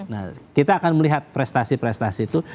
nah kita akan melihat prestasi prestasi itu